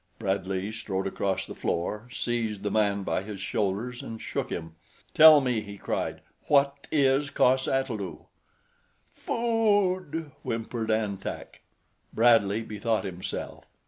Bradley strode across the floor, seized the man by his shoulders and shook him. "Tell me," he cried, "what is cos ata lu?" "Food!" whimpered An Tak. Bradley bethought himself.